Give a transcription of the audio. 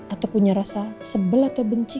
atau punya rasa sebel atau benci